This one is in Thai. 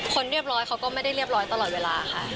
เรียบร้อยเขาก็ไม่ได้เรียบร้อยตลอดเวลาค่ะ